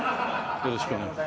よろしくお願いします。